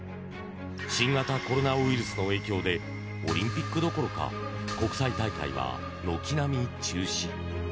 新型コロナウイルスの影響でオリンピックどころか国際大会は軒並み中止。